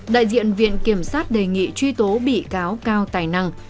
đại diện viện kiểm sát đề nghị truy tố bị cáo cao tài năng